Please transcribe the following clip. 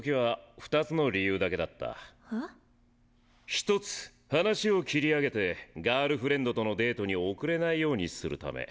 １つ話を切り上げてガールフレンドとのデートに遅れないようにするため。